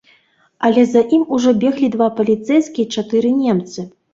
Але за ім ужо беглі два паліцэйскія і чатыры немцы.